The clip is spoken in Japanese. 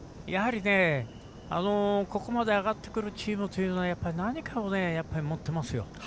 ここまで上がってくるチームというのは何かを持ってますよ。